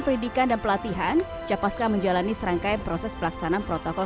pendidikan dan pelatihan capaska menjalani serangkaian proses pelaksanaan protokol